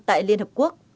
tại liên hợp quốc